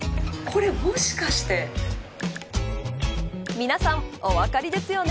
皆さん、お分かりですよね。